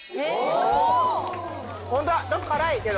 ちょっと辛いけど。